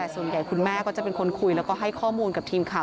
ส่วนใหญ่คุณแม่ก็จะเป็นคนคุยแล้วก็ให้ข้อมูลกับทีมข่าว